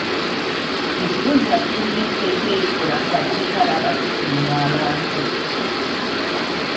Ekirungi kati tulina etteeka erikola ku basirikale abatulugunya abantu.